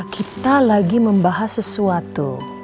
kita lagi membahas sesuatu